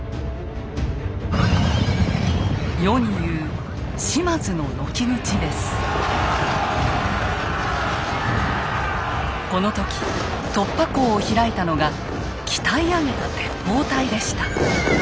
世に言うこの時突破口を開いたのが鍛え上げた鉄砲隊でした。